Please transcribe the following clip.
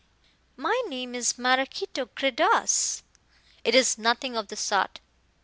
My name is Maraquito Gredos." "It is nothing of the sort.